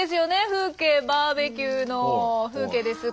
風景バーベキューの風景です。